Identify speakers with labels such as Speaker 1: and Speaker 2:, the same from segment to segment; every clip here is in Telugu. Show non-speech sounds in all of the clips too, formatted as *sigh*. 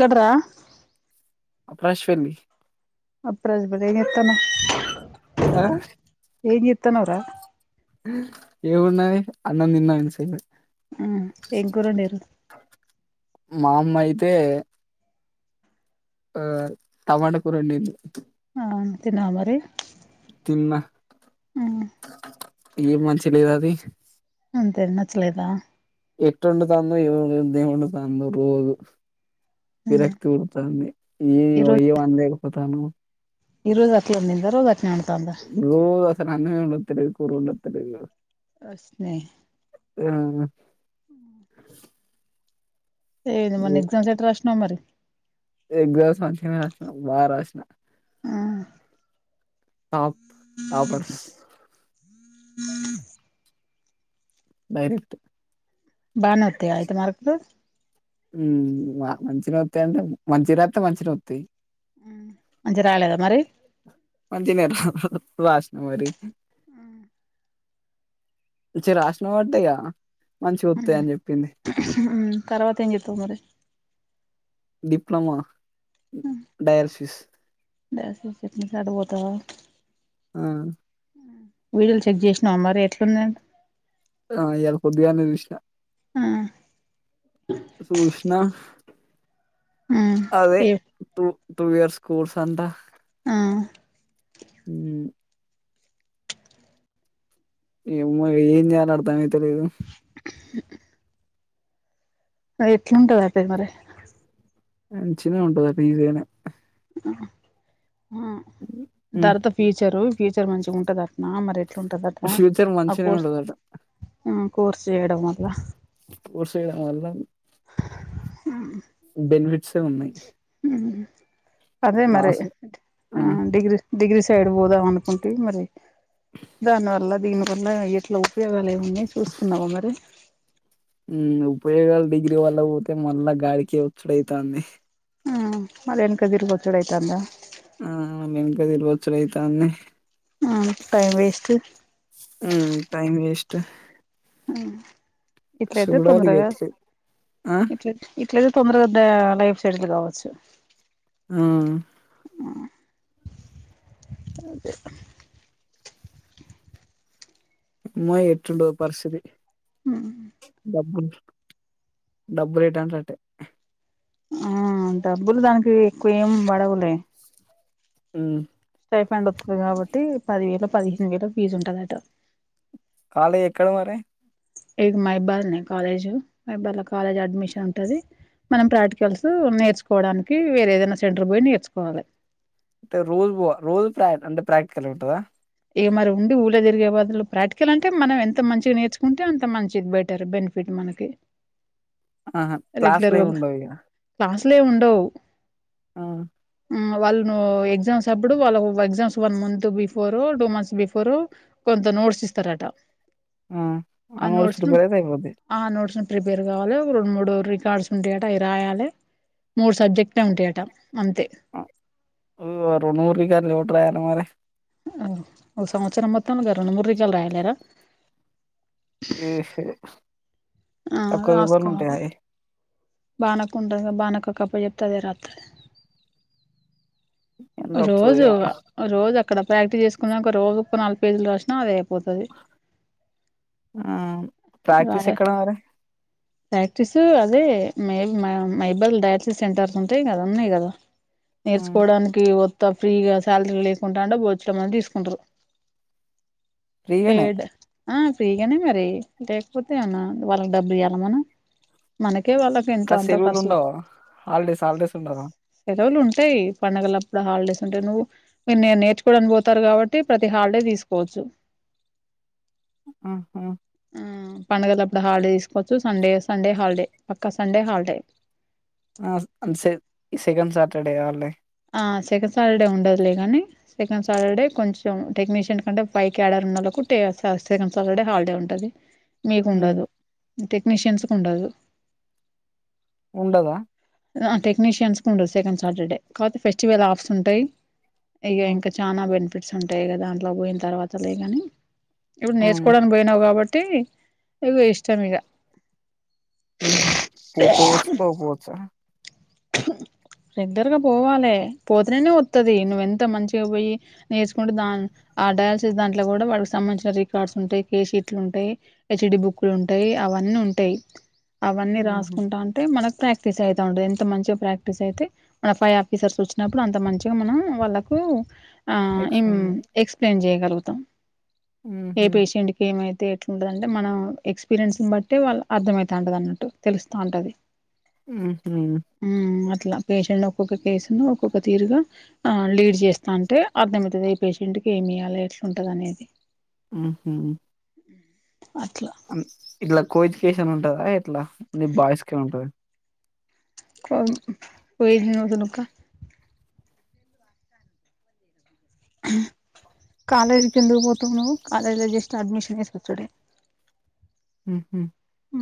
Speaker 1: గడ్రా
Speaker 2: అపశ్వల్లి
Speaker 1: అప్రాజ్భతి ఏం చేత్తనవ్
Speaker 2: ఆ
Speaker 1: ఏన్ చేత్తనవురా
Speaker 2: ఎవున్నాయి అన్నం తిన్నాక తిన్
Speaker 1: ఆ ఎం కూర వండారు
Speaker 2: మా అమ్మ అయితే ఆ టమాటకూరండీ
Speaker 1: అంతే నా మరి
Speaker 2: తిన్నా
Speaker 1: ఆ
Speaker 2: ఏం మంచి లేదు అది
Speaker 1: అంతె నచ్చలేదా
Speaker 2: ఎట్టు ఉండు తందో ఏమో ఉండు తందో రోజ్ విరక్తి పుడతాంది ఈ ఏ వం లేకపో తను
Speaker 1: ఈరోజు అట్లనే నిద్రపో ట్టినాడు
Speaker 2: రోజసలు అన్నమే ఉండదు తెలిదు స్కూల్లో అడగు
Speaker 1: వస్నే ఏంది మొన్నా ఎగ్జామ్స్ ఎట్టా రాసినవ్ కమ్మరి
Speaker 2: యే ఎగ్జామ్స్ మంచిగానే రాసిన బాగా రాసినా టాప్ టాపర్స్
Speaker 1: ఉ
Speaker 2: డైరెక్ట్
Speaker 1: బానే వత్తయ అయితే మార్కులు
Speaker 2: హ్మ్ మంచిగానే వతాయి అంటే మంచిగా రాస్తే మంచిగానే వస్తాయ్
Speaker 1: మంచిగ రాలే మరి
Speaker 2: మంచి గనే రాసిన మరి మంచిగ రాసినవటగా
Speaker 1: తర్వాత ఎం చెత్తవు మరి
Speaker 2: డిప్లోమా డైలసిస్
Speaker 1: *unintelligible* అట్నా నుంచి అటు పోతావా
Speaker 2: ఆ
Speaker 1: వీడియోలు చెక్ చేసినావ మరి ఎట్లుందంటా
Speaker 2: ఆ ఇయ్యాల పొద్దుగాల్నే చూసిన
Speaker 1: ఆ
Speaker 2: చూష్ణ అదే
Speaker 1: ఏ
Speaker 2: తూ టూ ఇయర్స్ స్కూల్స్ అంతా
Speaker 1: ఆ
Speaker 2: హ్మ్ ఏమో ఏం చేయాలో అర్ధం అయితా లేదు.
Speaker 1: మరీ ఎట్లుంటది అయితే మరి
Speaker 2: మంచిగానే ఉంటది పిజేనే
Speaker 1: ఆ ఆ తర్వాత ఫిచరు ఫ్యూచర్ మంచిగా ఉంటుందా అట్నా మరి ఎట్లుంటదట
Speaker 2: ఫ్యూచర్
Speaker 1: ఆ
Speaker 2: మంచినే
Speaker 1: కోర్స్
Speaker 2: ఉండదట
Speaker 1: ఆ కోర్స్ చేయడం వల్ల
Speaker 2: కోర్స్ *unintelligible* బెనిఫిట్సే ఉన్నాయి.
Speaker 1: అదే మరి
Speaker 2: లాస్
Speaker 1: ఆ డిగ్రీ డిగ్రీ సైడ్ పోదాం అనుకుంటే మరి దానివల్ల దీని వల్ల ఎట్లా ఉపయోగాలు ఏమ్ అన్నీ చూసుకున్నావా మరి
Speaker 2: ఉమ్ ఉపయోగాలు డిగ్రీ వాల్లక్ పోతే మళ్ళా గాడికి వచ్చుడయితాంది
Speaker 1: ఆ మళ్ళ ఎనక దిరుకొస్త డైతాంద
Speaker 2: ఆ వెెంక దీరుకొచ్చడైతాంది
Speaker 1: ఆ టైమ్ వేస్టు
Speaker 2: ఉమ్ టైమ్ వేస్ట్
Speaker 1: ము
Speaker 2: సూడాలి ఇ గట్లే ఆ
Speaker 1: అట్లయితే తొందరగ దా లైఫ్ సైటిల్ కావచ్చు
Speaker 2: మ్
Speaker 1: అదే
Speaker 2: అమ్మో ఎట్లుంటదో పరిస్థితి
Speaker 1: ఉ హ్మ్
Speaker 2: డబ్బులు డబ్బులెటంటే అటే
Speaker 1: ఆహా డబ్బులు దానికి ఎక్కువ ఏం బడవులే
Speaker 2: హ్మ్
Speaker 1: రిఫండ్ వాత్తది కాబట్టి పది వేలో, పదిహేను వేలో ఫీజు ఉంటదట
Speaker 2: కాలేజ్ ఎక్కడ మరి
Speaker 1: ఏ మహాబాద్లనే కాలేజ్. మైబాద్లా కాలేజ్ అడ్మిషన్ ఉంటది. మనం ప్రాక్టికల్స్ నేర్చుకోవడానికి వేరే ఏదైనా సెంటర్ పోయి నేర్చుకోవాలి.
Speaker 2: అంటే రోజు వ రోజు ప్ర అంటే ప్రాక్టికల్ ఉంటదా
Speaker 1: ఇగ మరి ఉండి ఊల్లో తిరిగే బదులు ప్రాక్టికల్ అంటే మనం ఎంత మంచిగా నేర్చుకుంటే అంత మంచిది బెటర్ బెనిఫిట్ మనకి
Speaker 2: ఆహ క్లాస్ లేవి ఉండవు ఇగ
Speaker 1: లే ఉండవు
Speaker 2: ఆ
Speaker 1: ఉమ్ వాళ్ళు ఎగ్జామ్స్ అప్పుడు వాళ్ళ ఎగ్జామ్స్ వన్ మంత్ బిఫోర్ రూ డు మంత్స్ బిఫోరు కొంత నోట్స్ ఇస్తారట
Speaker 2: ఆ ఆ నోడ్స్ గాదు ఇంక అదె
Speaker 1: ఆ నోట్స్ ను ప్రిపేర్ కావాలె రెండు మూడు రికార్డ్స్ ఉంటాయట అవి రాయాలి మూడు సబ్జెక్ట్ ఉంటయట అంతే
Speaker 2: ఆ! రా యనమాలె
Speaker 1: మ్ సంవత్సరం మొత్తం ఇగ రెండు మూడు రోజుల్లో రాయలేర
Speaker 2: ఈ హ్
Speaker 1: ఆ
Speaker 2: తొక్కవిభర్లు
Speaker 1: రాసుకోవాలి
Speaker 2: ఉంటాయాయ్
Speaker 1: బానక్క ఉంటది బానక్కకు అప్పచెబితే అదే రాత్తది
Speaker 2: ఎన్ని రాత్తదో
Speaker 1: రోజు
Speaker 2: ఏమో
Speaker 1: రోజక్ ఇక్కడ ప్రాక్టీస్ చేసుకున్నాక ఒక రోజు ఒక నాలుగు పేజీలు రాసిన అదే అయిపోతది
Speaker 2: ఆ ప్రాక్టీస్
Speaker 1: రాయ
Speaker 2: ఎక్కడ మరే
Speaker 1: ప్రాక్టీస్ అదే మెల్ మై మైబాల్ లో డయాలసిస్ సెంటర్స్ ఉంటాయి కదా ఉన్నాయి గదా
Speaker 2: హ్మ్
Speaker 1: నేర్చుకోవడానిక్ కొత్త ఫ్రీగా శాల్రీ లేకుండా అంటే భోచ్చడు మంది తీసుకుంటరు
Speaker 2: ఫ్రీగానే
Speaker 1: పేడ్ ఆ ఫ్రీగానే మరి లేకపోతే ఎమన్నా వాళ్ళకి డబ్బులు ఇయ్యాల మనం మనకి
Speaker 2: ఇంకా సెలువులు ఉండవా హాలిడేస్ హాలిడేస్ ఉండదా
Speaker 1: ఉంటయ్ పండగలప్ అప్పుడు హాలిడేస్ ఉంటాయి నువ్వు మీరు నేను నేర్చుకోవడానికి పోతారు కాబట్టి ప్రతి హాలిడే తీసుకోవచ్చు.
Speaker 2: ఆ హ
Speaker 1: ఆ పండుగల అప్పుడు హాలిడే తీసుకోవచ్చు సండే సండే హాలిడే పక్కా సండే హాలిడే
Speaker 2: ఆ సెకండ్ సాటర్డే హాలిడే
Speaker 1: ఆ సెకండ్ సాటర్డే ఉండదులేగాని సెకండ్ సాటర్డే కొంచెం టెక్నీషియన్ కంటే పైక్యాడర్ ఉన్నోళ్ళకు ట సెకండ్ సాటర్డే హాలిడే ఉంటది.
Speaker 2: హ్మ్
Speaker 1: మీకుండదు టెక్నీష్యన్స్ కు ఉండదు
Speaker 2: ఉండద
Speaker 1: టెక్నీషియన్స్ కు ఉండదు సెకండ్ సాటర్డే కాపతే ఫెస్టివల్ ఆఫర్స్ ఉంటాయి ఇక
Speaker 2: హ్మ్
Speaker 1: ఇంకా చానా పిట్స్ ఉంటాయి కదా దాంట్లో పోయిన తర్వాతలే కాని ఇప్పుడు
Speaker 2: హ్మ్.
Speaker 1: నేర్చుకోవడానికి పోయినవు కాబటి ఇగ ఇష్టం ఇగ
Speaker 2: ఉ హ్ పో పోవచ్చు పోక పోవచ్చా
Speaker 1: రెగ్యులర్గా పోవాలె పోతేనెనే వత్తది. నువ్వెంత మంచిగా పోయి నేర్చుకుంటే దా ఆ డయాలసీస్ దాంట్లో కూడా వాళ్లకి సంబంధించిన రికార్డ్స్ ఉంటాయి, కేస్ షీట్లు ఉంటాయి, హెచ్డి బుక్లు ఉంటాయి అవన్నీ ఉంటాయి. అవన్నీ
Speaker 2: ఉహు
Speaker 1: రాసుకుంటాంటే మనకు ప్రాక్టీసయతా ఉంటది మంచిగా ప్రాక్టీస్ అయితే మన పై ఆఫీసర్స్ వచ్చినప్పుడు అంత మంచిగా మనం వాళ్ళకు ఆ
Speaker 2: ఎక్స్ట్రా
Speaker 1: ఇమ్ ఎక్స్ప్లెయిన్ చెయి కలుగుతాం ఏ
Speaker 2: ఉహు
Speaker 1: పేషెంట్కి ఏమయితే ఎట్లుంటదంటే మనం ఎక్స్పీరియన్స్ని బట్టి వాళ్ళు అర్థమవుతా ఉంటది అన్నట్టు తెలుస్తా ఉంటది
Speaker 2: ఉ హ్
Speaker 1: ఉ అట్లా పేషెంట్ ఒక్కొక్క కేసు ను ఒక్కొక్క తీరుగా ఆ లీడ్ చేస్తాంటే అర్థమయితది ఏ పేషెంట్ కి ఏమియ్యాలి ఎట్లుంటది అనేది.
Speaker 2: ఆహా
Speaker 1: అట్లా
Speaker 2: అ ఇట్లా కో ఎడ్యూకేషన్ ఉంటదా ఎట్లా ఓన్లీ బాయ్స్కే ఉంటదా
Speaker 1: కొ పోయినుదనకా కాలేజీ కెందుకు పోతున్నవు కాలేజ్ లో జస్ట్ అడ్మిషన్ జేసోచ్చుడే
Speaker 2: హ్ హ్
Speaker 1: ఆ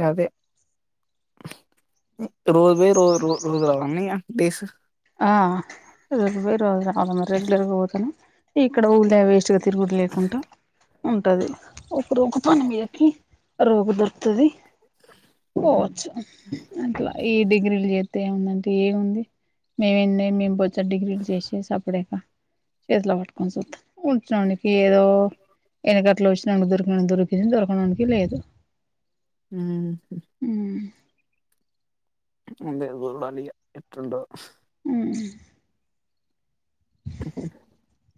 Speaker 2: గదే రోజ్ బై రోజ్ ర రోజ్ రావాల్నా డేస్
Speaker 1: ఆ రోజు పొయి రోజు రా అ *unintelligible* రెగ్యులర్గా పోతే నె ఇక్కడ ఊర్ల వేస్ట్ గ తిరుగుడు లేకుంట ఉంటది ఒకరు ఒక పని మీదకి రోపు దొరుకుతది పోవచ్చ్ అట్లా ఈ డిగ్రీలు జే తే ఉందంటే ఏముంది మే ఎన్నై మేము బొచ్చెడు డిగ్రీలు చేసేసి అప్పుడే ఇక చేతిలో పట్టుకొని సూత్తాం ఉజ్జోనికి ఏదో ఎనకట్లు వచ్చినానికి దొరికినోనికి దొరికి దొరకనోనికి లేదు
Speaker 2: ఊహూ అేడు అాల ఇట్ండ *unintelligible*
Speaker 1: అ
Speaker 2: *inaudible*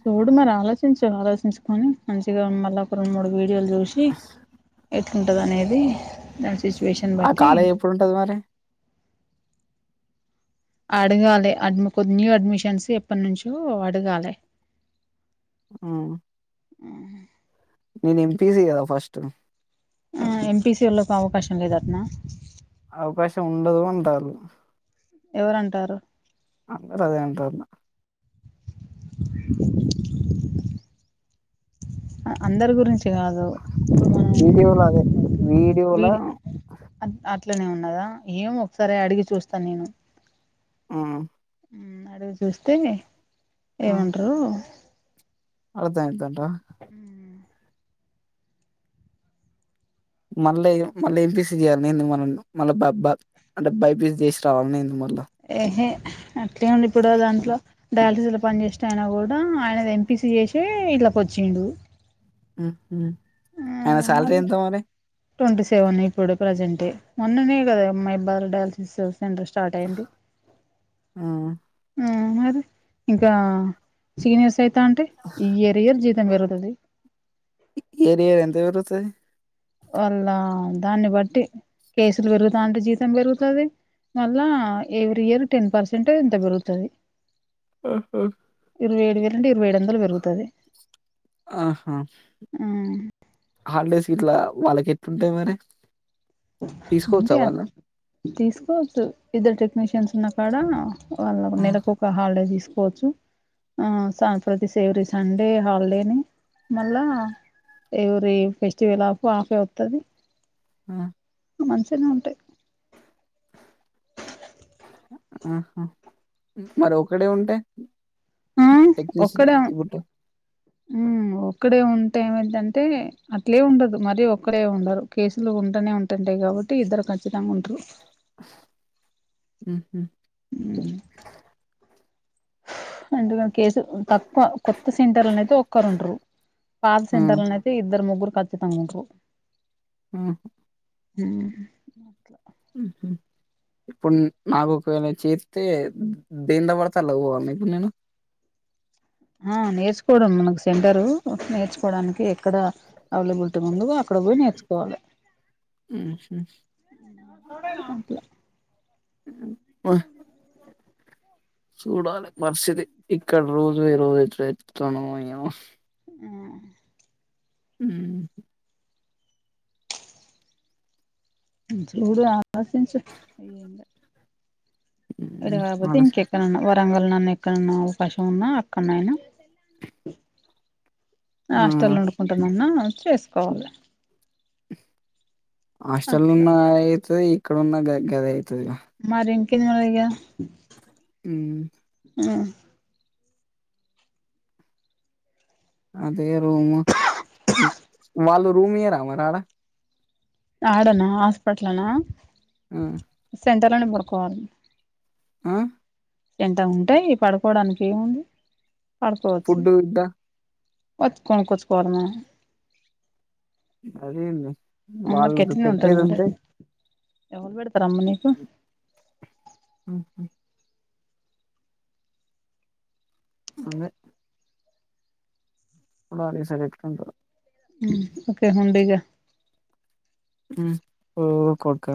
Speaker 1: చూడు మరి ఆలోచించు ఆలోచించుకొని మంచిగా మళ్ళ ఒక రెండు మూడు వీ వీడియోలు చూసి ఎట్లుంటదని అనేది దాని సిచుయేషన్
Speaker 2: ఆ
Speaker 1: బట్టి
Speaker 2: కాలేజ్ ఎప్పుడుంటది మరి
Speaker 1: అడగాలి అడ్మ్ కొద్ద్ న్యూ అడ్మిషన్స్ ఎప్పడి నుంచో అడగాలి
Speaker 2: ఆ
Speaker 1: ఆ
Speaker 2: నేను ఎం పి సి కదా ఫస్ట్
Speaker 1: ఆ ఎం పి సి వాళ్ళకు అవకాశం లేదటనా
Speaker 2: అవకాశం ఉండదు అంటారు
Speaker 1: ఎవరంటారు
Speaker 2: అందరూ అదే అంటార్నా
Speaker 1: *inaudible* అందరి గురించి తి కాదు
Speaker 2: వీడియోలో అదే
Speaker 1: *unintelligible*
Speaker 2: వీడియోలా
Speaker 1: ఇట్లనే ఉన్నదా ఏం ఒకసారి అడిగి చూస్తాను నేను
Speaker 2: ఆ
Speaker 1: ఉమ్ అడుగు చూస్తే ఏమంటరు
Speaker 2: అర్థం ఐతాయంటవా మళ్ళీ ఇగ మళ్ళీ ఎం పి సి చేయ్యాలనేంది మన మళ్ళా బ బ అంటే బై పీ సి చేసి రావాల్నేంది మళ్ళీ
Speaker 1: అ అట్లే ఉండి ఇప్పుడో దాంట్లో డయాలసీస్ లో పనిచేసినాయన కూడా ఆయనది ఎం పీ సీ చేసే ఇట్లకి వచ్చిండు
Speaker 2: హ్మ్ హ్మ్ ఆయన శాలరీ ఎంత మరి
Speaker 1: ట్వంటీ సెవెన్ ఇప్పుడు ప్రజెంటే మొన్ననే కద అమ్మాయి బ్బర్ డయాలసిస్ టెండర్ స్టార్ట్ అయింది హ్మ్ మ్ మది ఇంకా చికినేస్ అయి తాంటే ఇయర్ ఇయర్ జీతం పెరుగు అది
Speaker 2: ఏరియర్ ఎంత ఇరుతుది
Speaker 1: వాళ్ళ దాన్ని బట్టి కేసులు పెరుగుతా అంటే జీతం పెరుగుతుది. మళ్ళా ఎవరీ ఇయర్ టెన్ పర్సెంట్ ఇంత పెరుగుతుది.
Speaker 2: ఆహ
Speaker 1: ఇరవై ఏడు వేలు అంటే ఏడువందలు పెరుగుతాది
Speaker 2: ఆహా
Speaker 1: ఊ
Speaker 2: హాలిడేస్ ఇట్లా వాళ్ళకి ఎట్టుంటాయి మరి తీసుకోవచ్చా
Speaker 1: అంటే
Speaker 2: వాళ్ళ
Speaker 1: తీసుకోవచ్చు ఇద్దరు టెక్నీషియన్స్ ఉన్నా కాడ వాళ్ళ నెలకు ఒక హాలిడే తీసు పోచ్చు ఆ స ప్రతి ఎవ్రీ సండే హాలిడే ని మళ్ళా ఎవరి ఫెస్టివల్ ఆఫ్ ఆఫే వత్తాది
Speaker 2: ఆ
Speaker 1: మంచిగానె ఉంటాయి
Speaker 2: ఆహా మరొకడే ఉంటే
Speaker 1: ఆ
Speaker 2: టెక్నిషయన్ ఈ బుట్
Speaker 1: ఊ ఒక్కడే ఉంటే ఏమయిదంటే అట్లే ఉండదు. మరీ ఒక్కడే ఉండరు కేసులు ఉంటూనే ఉంటుంటాయి. కాబట్టి ఇద్దరు ఖచ్చితంగా ఉంటారు.
Speaker 2: ఉహు
Speaker 1: అ అంటుధన్ కేసు తక్కువ కొత్త సెంటర్న అయితే ఒక్కరు ఉండరు. పాత సెంటర్లను అయితే ఇద్దరు ముగ్గురు కచ్చితంగా ఉండరు
Speaker 2: ఆ
Speaker 1: ఊ
Speaker 2: ఉహు ఇప్పుడు నాకు ఒకవేళ చేతే దేని ద పడతేలా పోవాలి ఇప్పుడు నేను
Speaker 1: ఆ నేర్చుకోవడం మన ఒక సెంటరు నేర్చుకోవడానికి అక్కడ అవైలబిలిటీ ముందు అక్కడ పోయి నేర్చుకోవాలి.
Speaker 2: నేను
Speaker 1: *unintelligible* అట్లా
Speaker 2: *unintelligible* చూడాలి పరిస్థితి ఇక్కడ రోజు వే రోజు తెతుతాను ఏమో
Speaker 1: ఊ
Speaker 2: ఊ
Speaker 1: చూడు ఆలోచించు ఏందో అది కాకపోతే
Speaker 2: ఆలోచిం
Speaker 1: ఇంకెక్కడన్నా. రంగల్ నన్న ఎక్కడన్నా అవకాశం ఉన్నా అక్కడనయినా.
Speaker 2: ఆ
Speaker 1: హాస్టల్ లో వండుకుంటా నన్న చేసుకోవాలి.
Speaker 2: హాస్టల్
Speaker 1: అట్లా
Speaker 2: ఉన్న అయితే ఇక్కడ ఉన్న గ గదే తది గా
Speaker 1: కేంద్ మారీగా
Speaker 2: ఉహ్మ్
Speaker 1: ఉహ్
Speaker 2: అదే రూమ్. ఉహ్ వాళ్ళు రూమ్ ఇయ్యరా మరా ఆడ
Speaker 1: ఆడనా హాస్పట్లనా
Speaker 2: ఉహ్
Speaker 1: సెంటర్లోనే పడుకోవాలీ
Speaker 2: ఆహ్
Speaker 1: ఎంత ఉంటాయి పడుకోడానికి ఏముంది. పడుకోవచ్చు.
Speaker 2: ఫుడ్ గిట్ట
Speaker 1: కొచుకో కుచుకోమా
Speaker 2: అదేంది వాళ్ళు పెట్టేదింతే.
Speaker 1: ఎవ బడ రమ్మ నీకు
Speaker 2: అందే ఉండాలి సలెంట్ గుంటడు
Speaker 1: ఉహ్మ్ ఓకే ఉండీగా
Speaker 2: ఉకొక్క